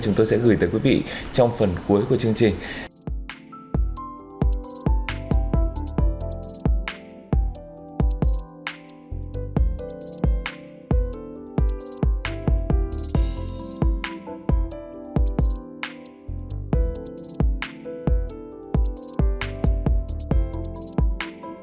chúng tôi sẽ gửi tới quý vị trong phần cuối của chương trình